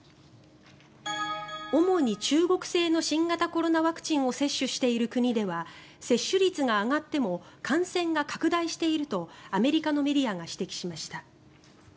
主に中国製の新型コロナワクチンを接種している国では接種率が上がっても感染が拡大しているとアメリカのメディアが指摘しました。